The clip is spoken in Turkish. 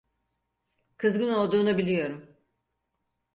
Kızgın olduğunu biliyorum.